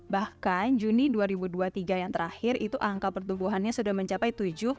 bahkan juni dua ribu dua puluh tiga yang terakhir itu angka pertumbuhannya sudah mencapai tujuh